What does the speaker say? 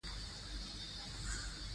دښتې د افغان ځوانانو لپاره دلچسپي لري.